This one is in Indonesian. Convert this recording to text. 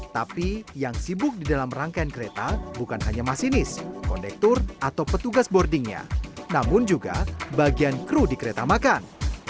tapi yang sibuk di dalam rangkaian kereta bukan hanya masinis kondektur atau petugas boardingnya namun juga bagian kru di kereta makan